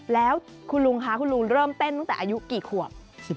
แล้วคุณลุงคะคุณลุงเริ่มเต้นตั้งแต่อายุกี่ขวบ